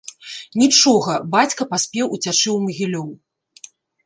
Нічога, бацька паспеў уцячы ў Магілёў.